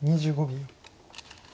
２５秒。